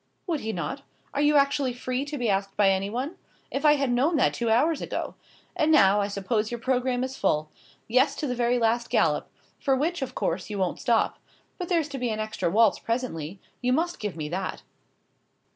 "Would he not? Are you actually free to be asked by anyone? If I had known that two hours ago! And now, I suppose your programme is full. Yes, to the very last galop; for which, of course, you won't stop. But there's to be an extra waltz presently. You must give me that."